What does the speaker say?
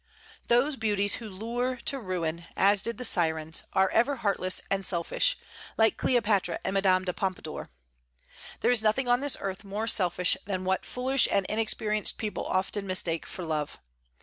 Those beauties who lure to ruin, as did the Sirens, are ever heartless and selfish, like Cleopatra and Madame de Pompadour. There is nothing on this earth more selfish than what foolish and inexperienced people often mistake for love.